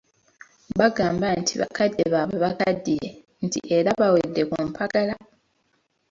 Bagamba nti bakadde baabwe bakaddiye nti era bawedde ku mpagala.